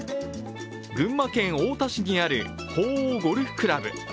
群馬県太田市にある鳳凰ゴルフ倶楽部。